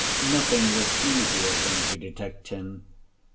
Nothing was easier than to detect him.